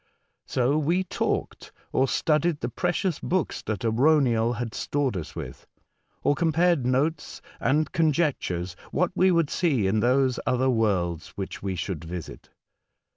So we talked, or studied the precious books that Arauniel had stored us with, or compared notes and conjectures what we should see in those other worlds which we should visifc.